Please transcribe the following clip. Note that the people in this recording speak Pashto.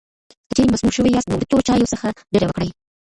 که چېرې مسموم شوي یاست، نو د تورو چایو څخه ډډه وکړئ.